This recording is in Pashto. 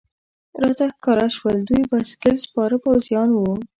راته ښکاره شول، دوی بایسکل سپاره پوځیان و.